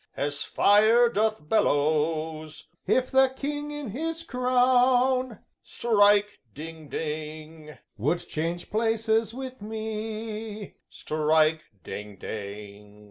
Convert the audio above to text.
As fire doth bellows. If the King in his crown Strike! ding! ding! Would change places with me Strike! ding! ding!"